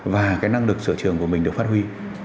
và cái năng lực sở trường của mình được phát huy